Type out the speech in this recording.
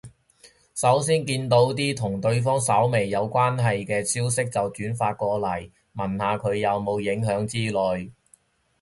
首先見到啲同對方稍為有關係嘅消息就轉發過嚟，問下佢有冇影響之類